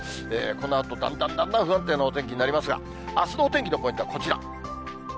このあとだんだんだんだん不安定なお天気になりますが、あすのお天気のポイントはこちら。